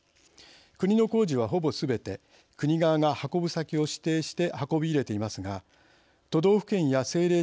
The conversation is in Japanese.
国の工事はほぼすべて国側が運ぶ先を指定して運び入れていますが都道府県や政令